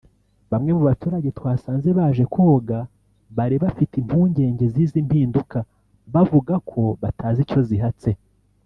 Bamwe mu baturage twasanze baje koga bari bafite impungenge z’izi mpinduka bavuga ko batazi icyo zihatse